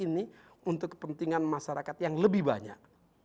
ini untuk kepentingan masyarakat yang lebih banyak